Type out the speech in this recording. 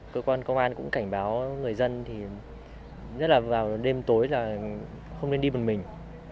cơ quan công an cũng cảnh báo người dân nhất là vào đêm tối không nên đi một mình